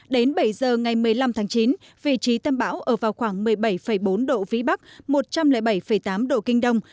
đến bảy giờ ngày một mươi năm tháng chín vị trí tâm bão ở vào khoảng một mươi bảy bốn độ vĩ bắc một trăm linh bảy tám độ kinh đông